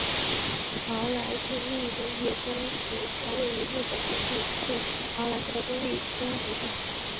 朝来市立生野中学校位于日本兵库县朝来市的公立中学校。